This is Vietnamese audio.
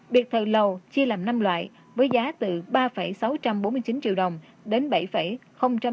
biệt thờ lầu chia làm năm loại với giá từ ba sáu trăm bốn mươi năm triệu đồng đến sáu bốn trăm hai mươi năm triệu đồng một m hai